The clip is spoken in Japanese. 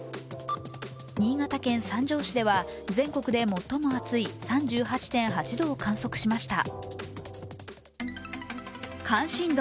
新潟県三条市では、全国で最も暑い３８．８度を観測しました。